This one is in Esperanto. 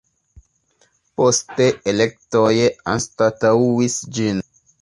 Poste elektoj anstataŭis ĝin.